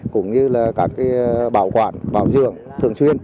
cũng như các bảo quản bảo dưỡng thường xuyên